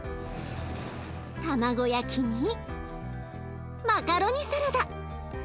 卵焼きにマカロニサラダ。